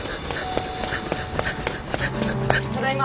ただいま。